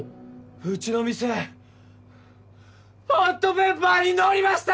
うちの店ホットペッパーに載りました！